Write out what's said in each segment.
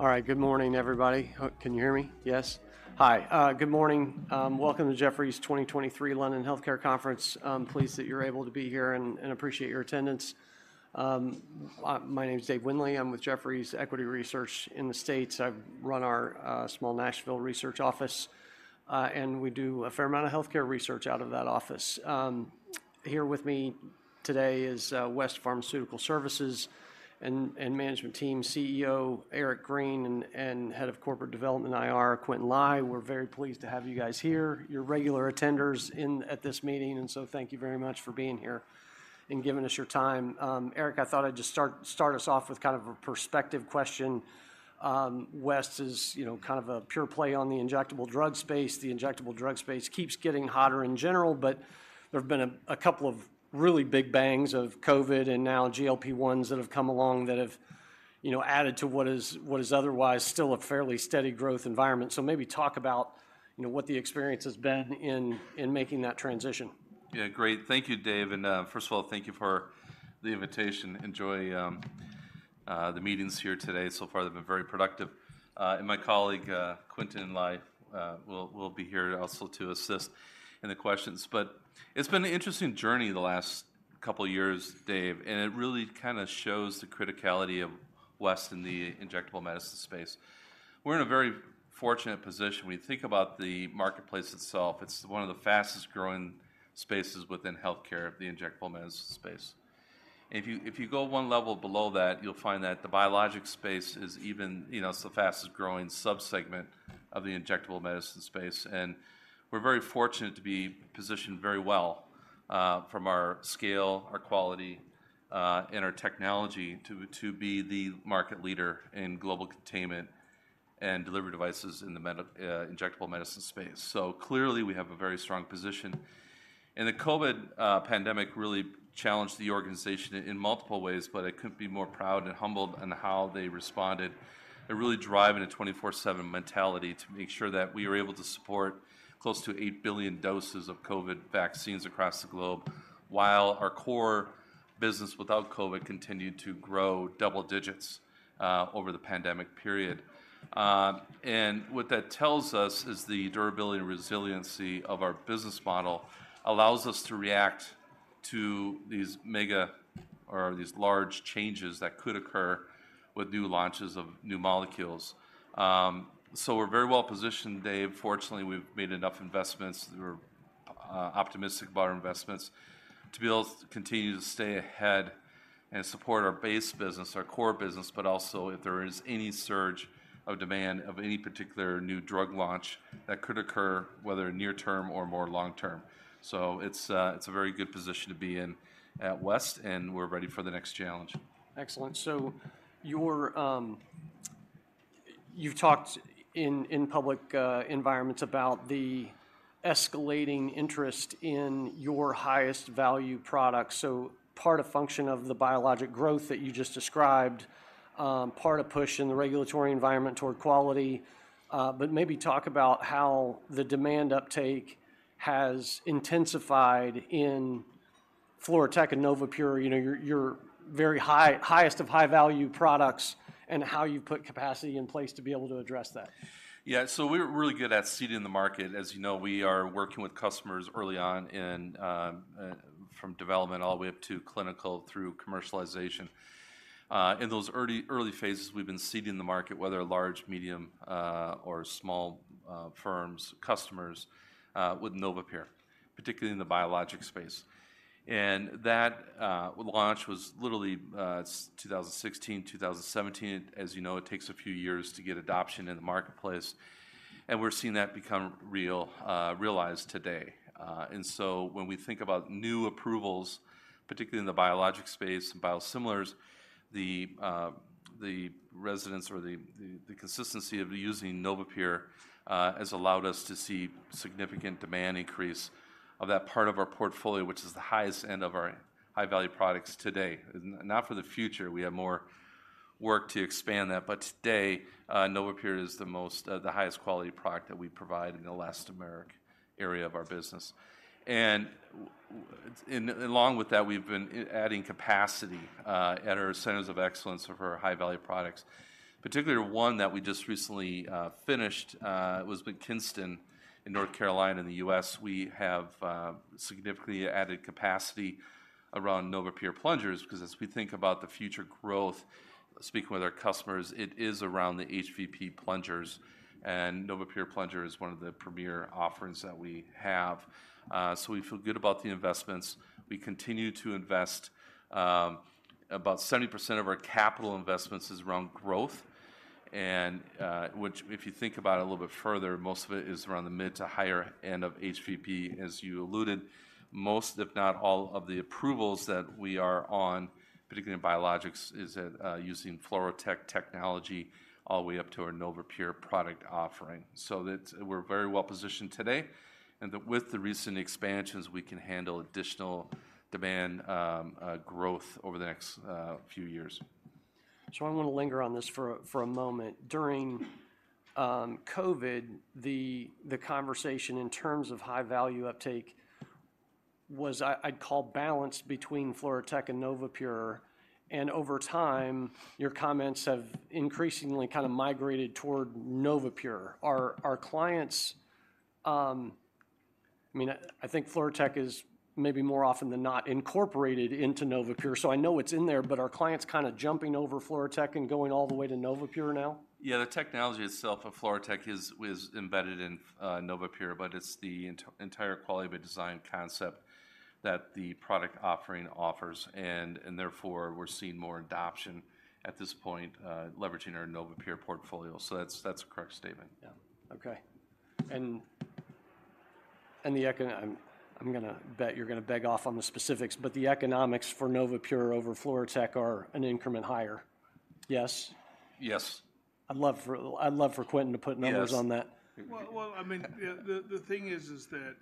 All right. Good morning, everybody. Can you hear me? Yes. Hi, good morning. Welcome to Jefferies' 2023 London Healthcare Conference. I'm pleased that you're able to be here and appreciate your attendance. My name is Dave Windley. I'm with Jefferies Equity Research in the States. I run our small Nashville research office, and we do a fair amount of healthcare research out of that office. Here with me today is West Pharmaceutical Services and management team CEO Eric Green, and Head of Corporate Development and IR, Quintin Lai. We're very pleased to have you guys here. You're regular attenders at this meeting, and so thank you very much for being here and giving us your time. Eric, I thought I'd just start us off with kind of a perspective question. West is, you know, kind of a pure play on the injectable drug space. The injectable drug space keeps getting hotter in general, but there have been a couple of really big bangs of COVID, and now GLP-1s that have come along that have, you know, added to what is otherwise still a fairly steady growth environment. So maybe talk about, you know, what the experience has been in making that transition. Yeah, great. Thank you, Dave, and first of all, thank you for the invitation. Enjoy the meetings here today. So far, they've been very productive. And my colleague, Quintin Lai, will be here also to assist in the questions. But it's been an interesting journey the last couple of years, Dave, and it really kind of shows the criticality of West in the injectable medicine space. We're in a very fortunate position. When you think about the marketplace itself, it's one of the fastest-growing spaces within healthcare, the injectable medicine space. If you, if you go one level below that, you'll find that the biologics space is even, you know, it's the fastest-growing subsegment of the injectable medicine space, and we're very fortunate to be positioned very well from our scale, our quality, and our technology, to be the market leader in global containment and delivery devices in the injectable medicine space. So clearly, we have a very strong position. The COVID pandemic really challenged the organization in multiple ways, but I couldn't be more proud and humbled on how they responded, and really driving a 24/7 mentality to make sure that we were able to support close to 8 billion doses of COVID vaccines across the globe, while our core business without COVID continued to grow double digits over the pandemic period. What that tells us is the durability and resiliency of our business model allows us to react to these mega or these large changes that could occur with new launches of new molecules. We're very well positioned, Dave. Fortunately, we've made enough investments. We're optimistic about our investments to be able to continue to stay ahead and support our base business, our core business, but also if there is any surge of demand of any particular new drug launch that could occur, whether near term or more long term. It's a very good position to be in at West, and we're ready for the next challenge. Excellent. So you've talked in public environments about the escalating interest in your highest value product. So part a function of the biologics growth that you just described, part a push in the regulatory environment toward quality, but maybe talk about how the demand uptake has intensified in FluroTec and NovaPure, you know, your very highest of high-value products and how you've put capacity in place to be able to address that. Yeah, so we're really good at seeding the market. As you know, we are working with customers early on in from development all the way up to clinical through commercialization. In those early, early phases, we've been seeding the market, whether large, medium, or small firms, customers with NovaPure, particularly in the biologics space. And that launch was literally 2016, 2017. As you know, it takes a few years to get adoption in the marketplace, and we're seeing that become real realized today. And so when we think about new approvals, particularly in the biologics space and biosimilars, the consistency of using NovaPure has allowed us to see significant demand increase of that part of our portfolio, which is the highest end of our high-value products today. Not for the future, we have more work to expand that, but today, NovaPure is the most, the highest quality product that we provide in the elastomeric area of our business. And along with that, we've been adding capacity at our centers of excellence for our high-value products, particularly one that we just recently finished, it was Kinston, North Carolina, in the U.S. We have significantly added capacity around NovaPure plungers, 'cause as we think about the future growth, speaking with our customers, it is around the HVP plungers, and NovaPure plunger is one of the premier offerings that we have. So we feel good about the investments. We continue to invest. About 70% of our capital investments is around growth, and which if you think about it a little bit further, most of it is around the mid- to higher-end of HVP as you alluded. Most, if not all, of the approvals that we are on, particularly in biologics, is at using FluroTec technology all the way up to our NovaPure product offering. So that we're very well positioned today, and with the recent expansions, we can handle additional demand, growth over the next few years. So I want to linger on this for a moment. During COVID, the conversation in terms of high-value uptake was, I'd call, a balance between FluroTec and NovaPure, and over time, your comments have increasingly kind of migrated toward NovaPure. Are clients, I mean, I think FluroTec is maybe more often than not incorporated into NovaPure, so I know it's in there, but are clients kind of jumping over FluroTec and going all the way to NovaPure now? Yeah, the technology itself of FluroTec is embedded in NovaPure, but it's the entire quality of a design concept that the product offering offers, and therefore, we're seeing more adoption at this point, leveraging our NovaPure portfolio. So that's a correct statement. Yeah. Okay. And, and the economics, I'm gonna bet you're gonna beg off on the specifics, but the economics for NovaPure over FluroTec are an increment higher. Yes? Yes. I'd love for Quintin to- Yes Put numbers on that. Well, well, I mean, yeah, the thing is that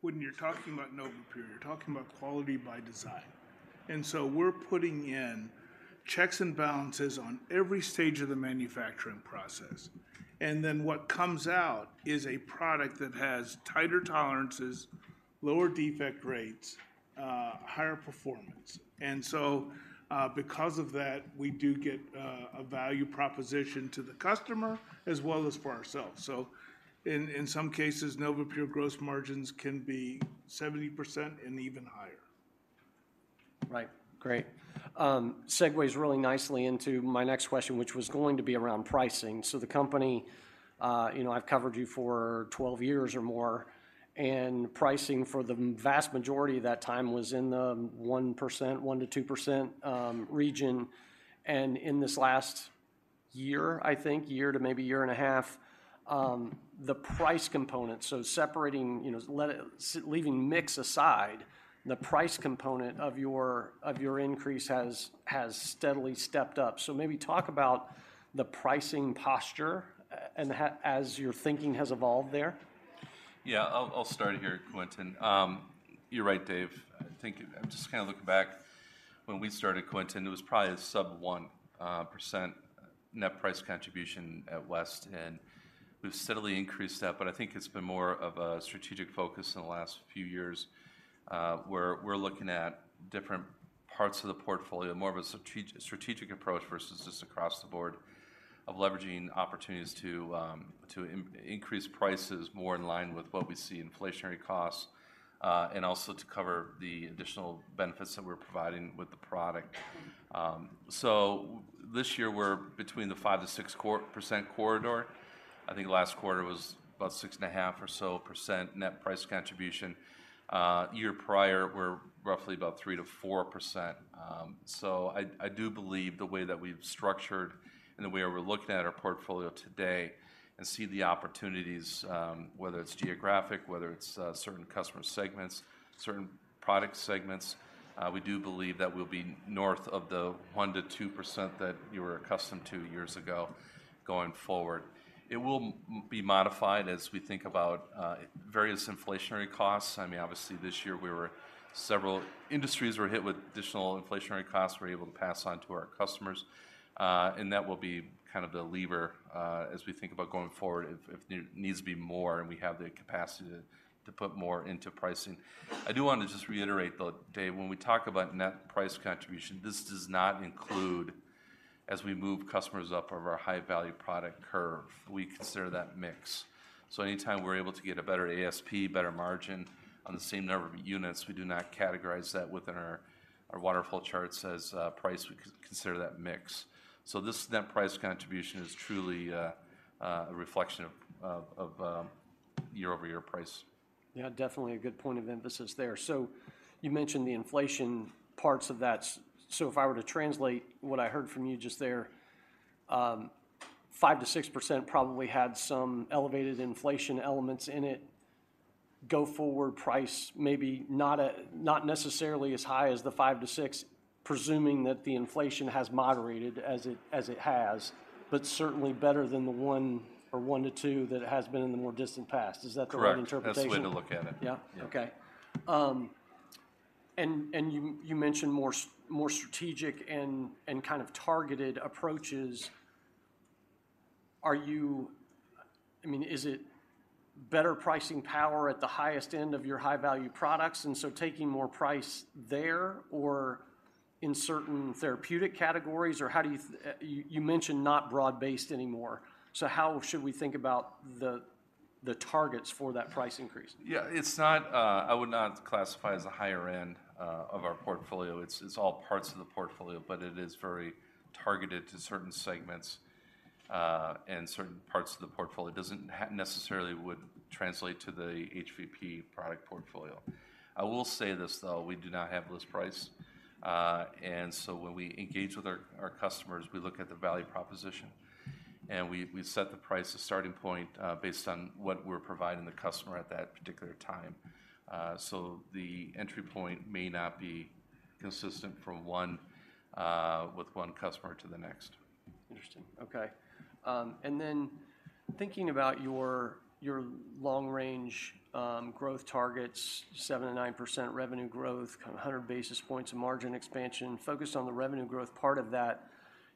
when you're talking about NovaPure, you're talking about quality by design. And so we're putting in checks and balances on every stage of the manufacturing process, and then what comes out is a product that has tighter tolerances, lower defect rates, higher performance. And so, because of that, we do get a value proposition to the customer as well as for ourselves. So in some cases, NovaPure gross margins can be 70% and even higher. Right. Great. Segues really nicely into my next question, which was going to be around pricing. So the company, you know, I've covered you for 12 years or more, and pricing for the vast majority of that time was in the 1%, 1%-2% region. And in this last year, I think, year to maybe year and a half, the price component, so separating, you know, leaving mix aside, the price component of your, of your increase has steadily stepped up. So maybe talk about the pricing posture, and how, as your thinking has evolved there. Yeah, I'll start here, Quentin. You're right, Dave. I think I'm just kinda looking back, when we started, Quentin, it was probably a sub 1% net price contribution at West, and we've steadily increased that, but I think it's been more of a strategic focus in the last few years. We're looking at different parts of the portfolio, more of a strategic approach versus just across the board, of leveraging opportunities to increase prices more in line with what we see inflationary costs, and also to cover the additional benefits that we're providing with the product. So this year, we're between the 5%-6% corridor. I think last quarter was about 6.5% or so net price contribution. Year prior, we're roughly about 3%-4%. So I do believe the way that we've structured and the way that we're looking at our portfolio today and see the opportunities, whether it's geographic, whether it's certain customer segments, certain product segments, we do believe that we'll be north of the 1%-2% that you were accustomed to years ago, going forward. It will be modified as we think about various inflationary costs. I mean, obviously, this year, several industries were hit with additional inflationary costs we're able to pass on to our customers, and that will be kind of the lever as we think about going forward, if there needs to be more, and we have the capacity to put more into pricing. I do want to just reiterate, though, Dave, when we talk about net price contribution, this does not include, as we move customers up over our high-value product curve, we consider that mix. So anytime we're able to get a better ASP, better margin on the same number of units, we do not categorize that within our waterfall charts as price, we consider that mix. So this net price contribution is truly a reflection of year-over-year price. Yeah, definitely a good point of emphasis there. So you mentioned the inflation parts of that. So if I were to translate what I heard from you just there, 5%-6% probably had some elevated inflation elements in it. Going forward, price, maybe not, not necessarily as high as the 5%-6%, presuming that the inflation has moderated as it has, but certainly better than the 1% or 1%-2% that has been in the more distant past. Is that the right interpretation? Correct. That's the way to look at it. Yeah? Yeah. Okay. And you mentioned more strategic and kind of targeted approaches. Are you... I mean, is it better pricing power at the highest end of your high-value products, and so taking more price there or in certain therapeutic categories, or how do you... You mentioned not broad-based anymore. So how should we think about the targets for that price increase? Yeah, it's not... I would not classify as a higher end of our portfolio. It's all parts of the portfolio, but it is very targeted to certain segments and certain parts of the portfolio. Doesn't necessarily would translate to the HVP product portfolio. I will say this, though: We do not have list price, and so when we engage with our customers, we look at the value proposition, and we set the price of starting point based on what we're providing the customer at that particular time. So the entry point may not be consistent from one with one customer to the next.... Interesting. Okay, and then thinking about your, your long-range growth targets, 7%-9% revenue growth, kind of 100 basis points of margin expansion, focused on the revenue growth part of that,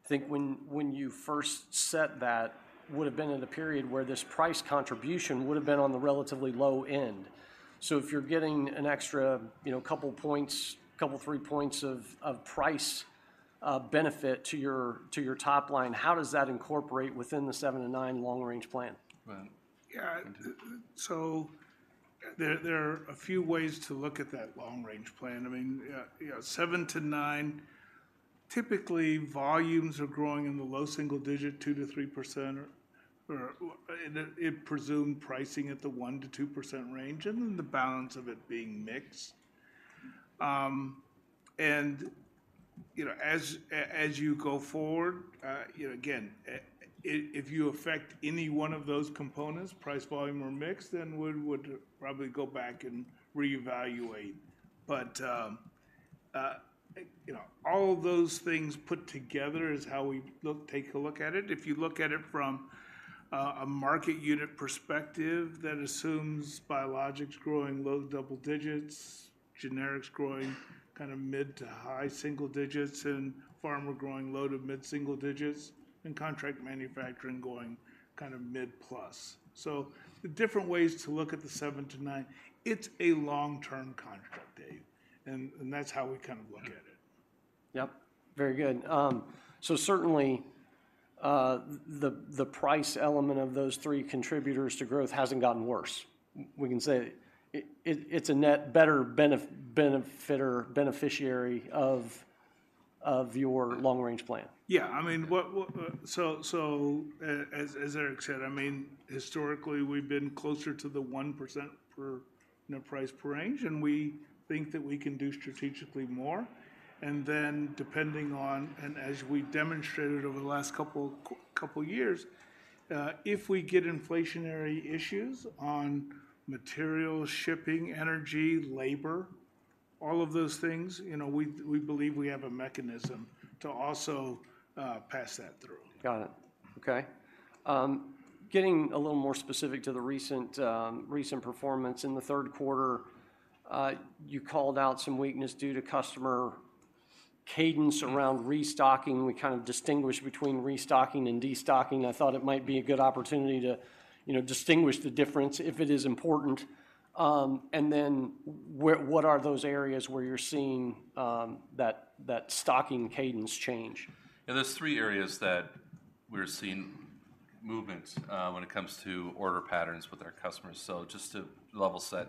I think when, when you first set that, would've been in a period where this price contribution would've been on the relatively low end. So if you're getting an extra, you know, couple points, couple three points of price benefit to your, to your top line, how does that incorporate within the 7-9 long-range plan? Well, yeah. So there are a few ways to look at that long-range plan. I mean, yeah, 7-9, typically, volumes are growing in the low single digit, 2%-3% and it presumed pricing at the 1%-2% range, and then the balance of it being mixed. And, you know, as you go forward, you know, again, if you affect any one of those components, price, volume, or mix, then we would probably go back and reevaluate. But, you know, all those things put together is how we take a look at it. If you look at it from a market unit perspective, that assumes biologics growing low double digits, generics growing kind of mid to high single digits, and pharma growing low to mid single digits, and contract manufacturing going kind of mid plus. So the different ways to look at the 7-9, it's a long-term contract, Dave, and, and that's how we kind of look at it. Yep. Very good. So certainly, the price element of those three contributors to growth hasn't gotten worse. We can say, it's a net better beneficiary of your long-range plan. Yeah, I mean, so, as Eric said, I mean, historically, we've been closer to the 1% per, you know, price range, and we think that we can do strategically more. And then depending on, and as we demonstrated over the last couple years, if we get inflationary issues on material, shipping, energy, labor, all of those things, you know, we believe we have a mechanism to also pass that through. Got it. Okay. Getting a little more specific to the recent, recent performance. In the third quarter, you called out some weakness due to customer cadence around restocking. We kind of distinguish between restocking and destocking. I thought it might be a good opportunity to, you know, distinguish the difference, if it is important, and then what are those areas where you're seeing that, that stocking cadence change? Yeah, there's three areas that we're seeing movement when it comes to order patterns with our customers. So just to level set,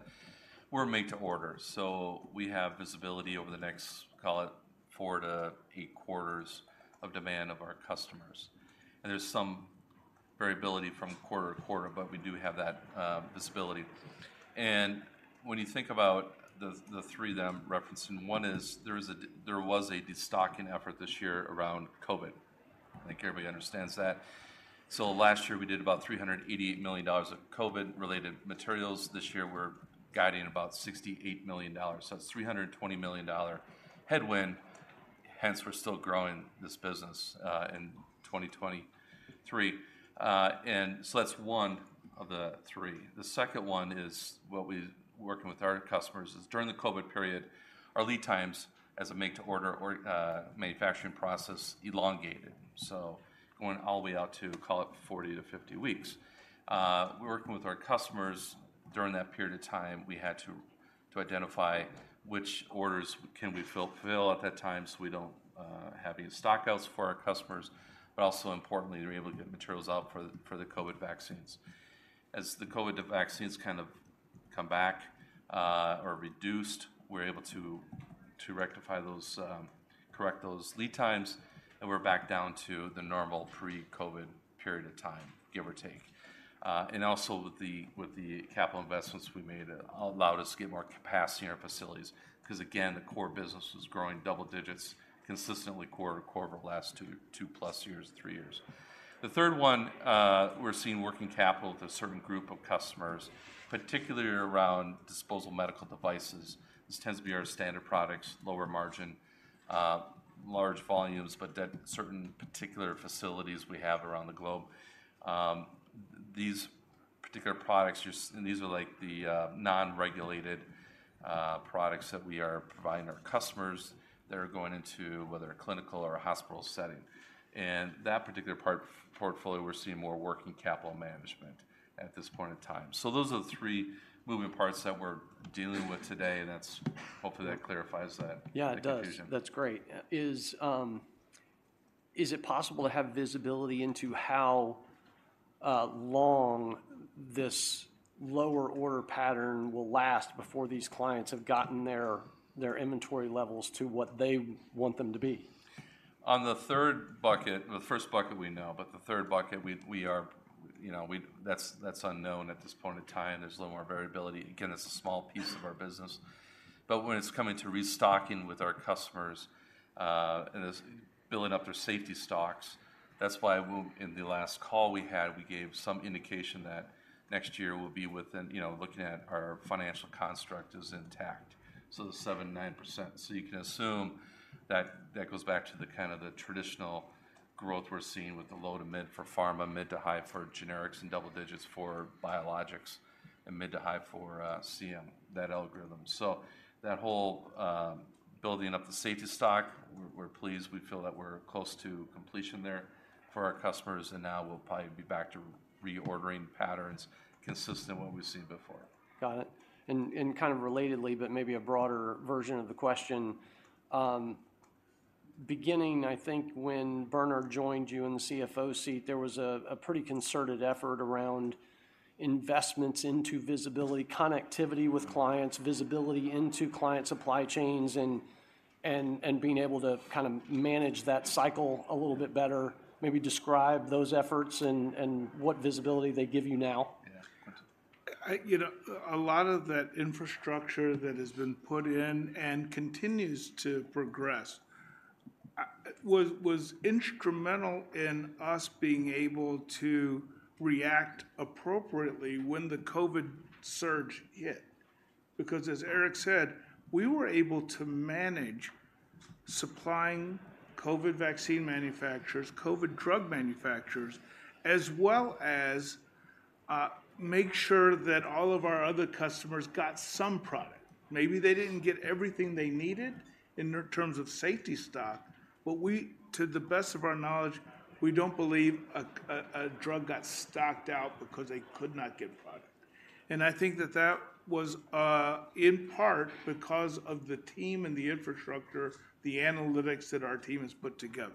we're made to order, so we have visibility over the next, call it, four to eight quarters of demand of our customers. And there's some variability from quarter to quarter, but we do have that visibility. And when you think about the three that I'm referencing, one is there was a destocking effort this year around COVID. I think everybody understands that. So last year, we did about $388 million of COVID-related materials. This year, we're guiding about $68 million. So it's $320 million headwind, hence we're still growing this business in 2023. And so that's one of the three. The second one is what we're working with our customers, is during the COVID period, our lead times as a make-to-order or manufacturing process elongated. So going all the way out to, call it, 40-50 weeks. We're working with our customers during that period of time, we had to identify which orders can we fill at that time, so we don't have any stockouts for our customers, but also importantly, to be able to get materials out for the COVID vaccines. As the COVID vaccines kind of come back or reduced, we're able to rectify those, correct those lead times, and we're back down to the normal pre-COVID period of time, give or take. And also with the capital investments we made, allowed us to get more capacity in our facilities, 'cause again, the core business was growing double digits consistently quarter to quarter over the last two, two plus years, three years. The third one, we're seeing working capital with a certain group of customers, particularly around disposable medical devices. This tends to be our standard products, lower margin, large volumes, but at certain particular facilities we have around the globe. These particular products, these are like the, non-regulated, products that we are providing our customers that are going into whether a clinical or a hospital setting. And that particular portfolio, we're seeing more working capital management at this point in time. So those are the three moving parts that we're dealing with today, and that's, hopefully, that clarifies that. Yeah, it does. -the confusion. That's great. Is it possible to have visibility into how long this lower order pattern will last before these clients have gotten their, their inventory levels to what they want them to be? On the third bucket. The first bucket we know, but the third bucket, we are, you know, that's unknown at this point in time. There's a little more variability. Again, it's a small piece of our business. But when it's coming to restocking with our customers, and it's building up their safety stocks, that's why in the last call we had, we gave some indication that next year will be within, you know, looking at our financial construct is intact, so the 7%-9%. So you can assume that that goes back to the kind of the traditional growth we're seeing with the low to mid for pharma, mid to high for generics, and double digits for biologics, and mid to high for CM, that algorithm. So that whole building up the safety stock. We're pleased. We feel that we're close to completion there for our customers, and now we'll probably be back to reordering patterns consistent with what we've seen before. Got it. And kind of relatedly, but maybe a broader version of the question, beginning, I think when Bernard joined you in the CFO seat, there was a pretty concerted effort around investments into visibility, connectivity with clients, visibility into client supply chains, and being able to kind of manage that cycle a little bit better. Maybe describe those efforts and what visibility they give you now. Yeah. You know, a lot of that infrastructure that has been put in and continues to progress was instrumental in us being able to react appropriately when the COVID surge hit. Because as Eric said, we were able to manage supplying COVID vaccine manufacturers, COVID drug manufacturers, as well as make sure that all of our other customers got some product. Maybe they didn't get everything they needed in terms of safety stock, but we, to the best of our knowledge, we don't believe a drug got stocked out because they could not get product. And I think that that was in part because of the team and the infrastructure, the analytics that our team has put together.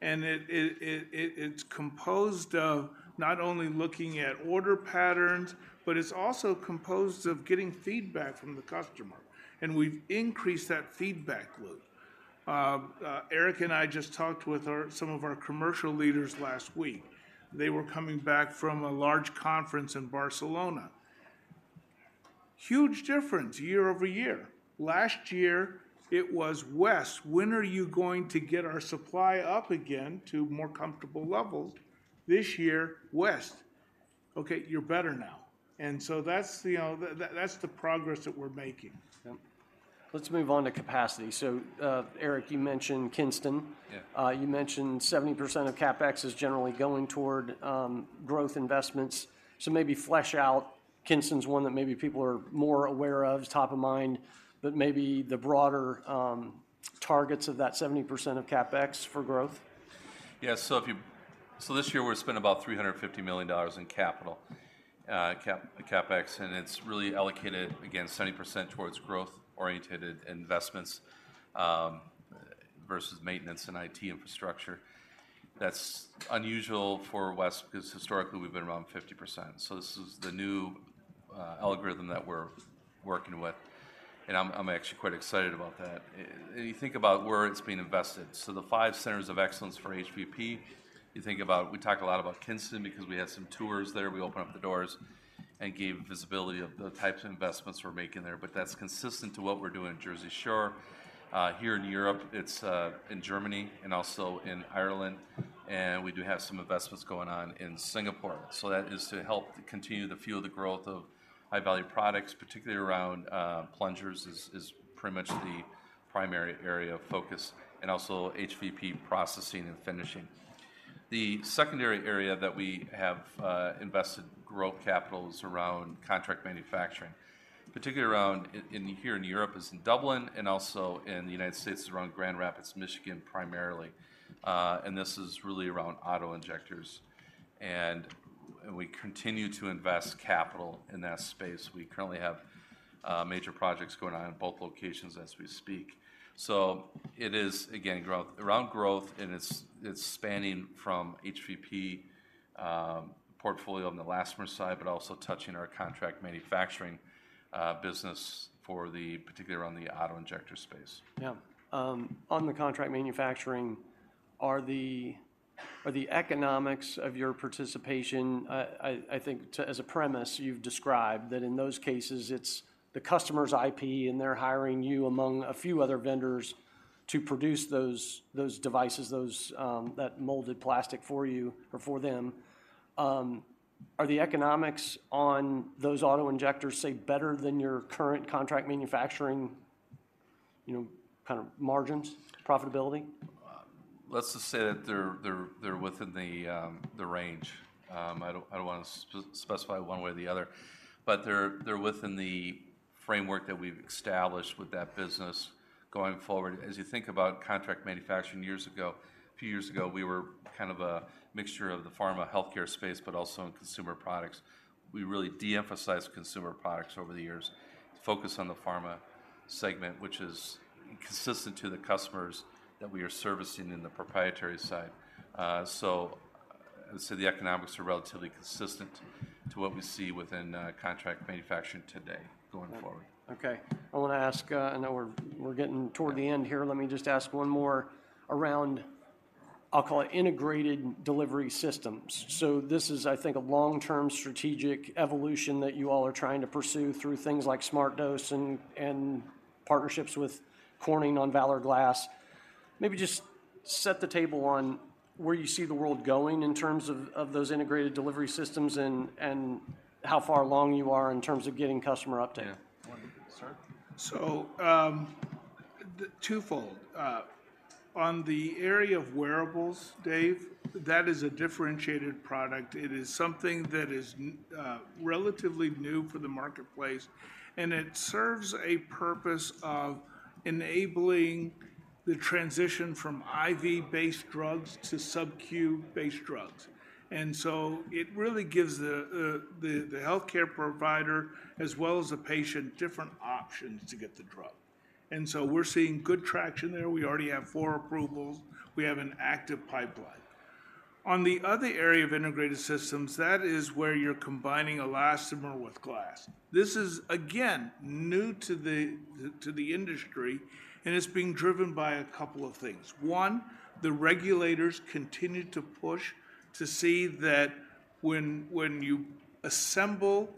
It's composed of not only looking at order patterns, but it's also composed of getting feedback from the customer, and we've increased that feedback loop. Eric and I just talked with some of our commercial leaders last week. They were coming back from a large conference in Barcelona. Huge difference year-over-year. Last year, it was, "Wes, when are you going to get our supply up again to more comfortable levels?" This year, "Wes, okay, you're better now." And so that's, you know, that, that's the progress that we're making. Yep. Let's move on to capacity. So, Eric, you mentioned Kinston. Yeah. You mentioned 70% of CapEx is generally going toward growth investments. So maybe flesh out, Kinston's one that maybe people are more aware of, is top of mind, but maybe the broader targets of that 70% of CapEx for growth. Yeah, so this year we're spending about $350 million in capital, CapEx, and it's really allocated, again, 70% towards growth-oriented investments, versus maintenance and IT infrastructure. That's unusual for West, because historically we've been around 50%. So this is the new algorithm that we're working with, and I'm actually quite excited about that. And you think about where it's being invested, so the 5 centers of excellence for HVP, you think about... We talk a lot about Kinston because we had some tours there. We opened up the doors and gave visibility of the types of investments we're making there, but that's consistent to what we're doing in Jersey Shore. Here in Europe, it's in Germany and also in Ireland, and we do have some investments going on in Singapore. So that is to help continue to fuel the growth of high-value products, particularly around plungers, is pretty much the primary area of focus and also HVP processing and finishing. The secondary area that we have invested growth capital is around contract manufacturing, particularly around in here in Europe, is in Dublin and also in the United States, is around Grand Rapids, Michigan, primarily. And this is really around auto injectors, and we continue to invest capital in that space. We currently have major projects going on in both locations as we speak. So it is, again, growth around growth, and it's spanning from HVP portfolio on the elastomer side, but also touching our contract manufacturing business for the particularly around the auto injector space. Yeah. On the contract manufacturing, are the economics of your participation... I think to, as a premise, you've described that in those cases, it's the customer's IP, and they're hiring you among a few other vendors to produce those that molded plastic for you or for them. Are the economics on those auto injectors, say, better than your current contract manufacturing, you know, kind of margins, profitability? Let's just say that they're within the range. I don't want to specify one way or the other, but they're within the framework that we've established with that business going forward. As you think about contract manufacturing years ago, a few years ago, we were kind of a mixture of the pharma healthcare space but also in consumer products. We really de-emphasized consumer products over the years to focus on the pharma segment, which is consistent to the customers that we are servicing in the proprietary side. So the economics are relatively consistent to what we see within contract manufacturing today going forward. Okay. I want to ask, I know we're getting toward the end here. Yeah. Let me just ask one more around. I'll call it integrated delivery systems. So this is, I think, a long-term strategic evolution that you all are trying to pursue through things like SmartDose and partnerships with Corning on Valor Glass. Maybe just set the table on where you see the world going in terms of those integrated delivery systems and how far along you are in terms of getting customer uptake. Yeah. Want you to start? So, twofold. On the area of wearables, Dave, that is a differentiated product. It is something that is relatively new for the marketplace, and it serves a purpose of enabling the transition from IV-based drugs to sub-Q-based drugs. And so it really gives the healthcare provider, as well as the patient, different options to get the drug. And so we're seeing good traction there. We already have four approvals. We have an active pipeline. On the other area of integrated systems, that is where you're combining elastomer with glass. This is, again, new to the industry, and it's being driven by a couple of things. One, the regulators continue to push to see that when you assemble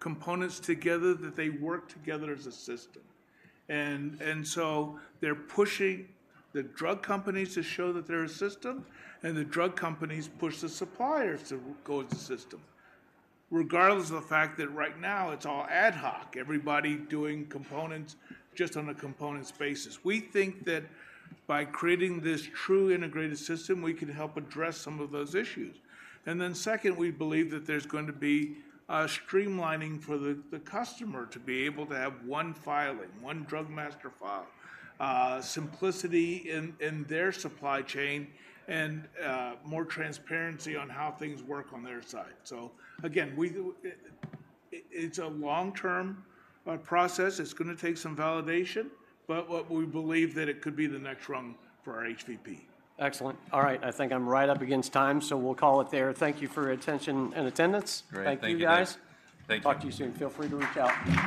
components together, that they work together as a system. And so they're pushing the drug companies to show that they're a system, and the drug companies push the suppliers to go as a system, regardless of the fact that right now it's all ad hoc, everybody doing components just on a components basis. We think that by creating this true integrated system, we can help address some of those issues. And then secondly, we believe that there's going to be a streamlining for the customer to be able to have one filing, one drug master file, simplicity in their supply chain, and more transparency on how things work on their side. So again, we do it, it's a long-term process. It's gonna take some validation, but we believe that it could be the next rung for our HVP. Excellent. All right, I think I'm right up against time, so we'll call it there. Thank you for your attention and attendance. Great. Thank you, Dave. Thank you, guys. Thank you. Talk to you soon. Feel free to reach out.